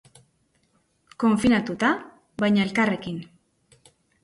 Konfinatuta, baina elkarrekin.